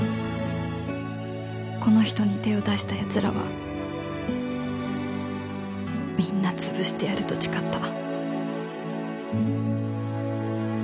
この人に手を出した奴らはみんな潰してやると誓った